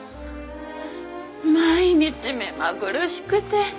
毎日目まぐるしくて。